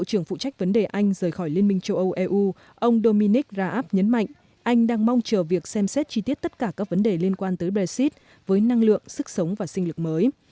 bộ trưởng phụ trách vấn đề anh rời khỏi liên minh châu âu eu ông dominic raab nhấn mạnh anh đang mong chờ việc xem xét chi tiết tất cả các vấn đề liên quan tới brexit với năng lượng sức sống và sinh lực mới